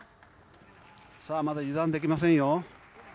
さあ、まだ油断できませんよ。